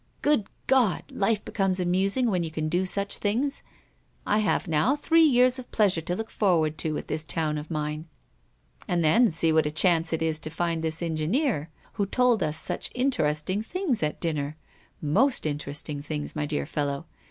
"Good God! life becomes amusing when you can do such things. I have now three years of pleasure to look forward to with this town of mine. And then see what a chance it is to find this engineer, who told us such interesting things at dinner, most interesting things, my dear fellow.